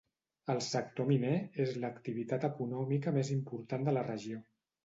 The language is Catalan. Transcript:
El sector miner és l'activitat econòmica més important de la regió.